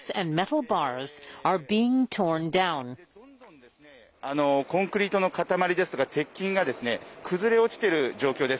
どんどんですね、コンクリートの塊ですとか鉄筋がですね、崩れ落ちてる状況です。